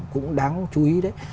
cũng đáng chú ý đấy